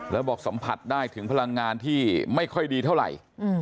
แล้วบอกสัมผัสได้ถึงพลังงานที่ไม่ค่อยดีเท่าไหร่